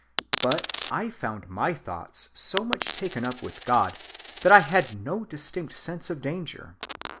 But I found my thoughts so much taken up with God that I had no distinct sense of danger.